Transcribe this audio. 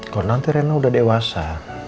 kalau nanti rena udah dewasa